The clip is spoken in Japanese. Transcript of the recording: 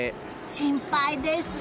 心配です。